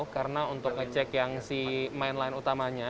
karena untuk ngecek yang si main line utamanya